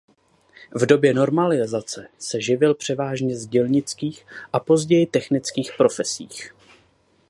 V době normalizace se živil převážně v dělnických a později technických profesích.